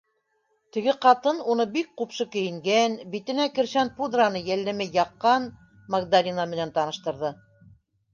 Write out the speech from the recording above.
Теге ҡатын уны бик ҡупшы кейенгән, битенә кершән- пудраны йәлләмәй яҡҡан Магдалина менән таныштырҙы.